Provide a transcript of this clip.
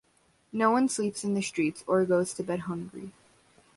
No one sleeps in the streets, or goes to bed hungry.